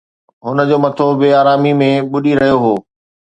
هن جو مٿو بي آراميءَ ۾ ٻڏي رهيو هو